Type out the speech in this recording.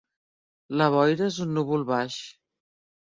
La boira és un núvol baix.